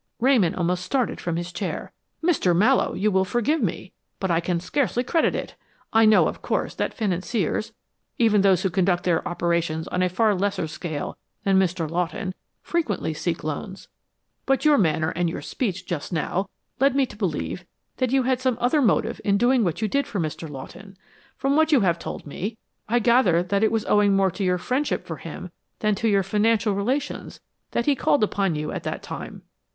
Ramon almost started from his chair. "Mr. Mallowe, you will forgive me, but I can scarcely credit it. I know, of course, that financiers, even those who conduct their operations on a far lesser scale than Mr. Lawton, frequently seek loans, but your manner and your speech just now led me to believe that you had some other motive in doing what you did for Mr. Lawton. From what you have told me I gather that it was owing more to your friendship for him, than to your financial relations, that he called upon you at that time."